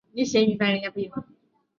以及叙事安排